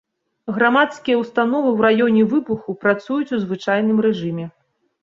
Грамадскія ўстановы ў раёне выбуху працуюць у звычайным рэжыме.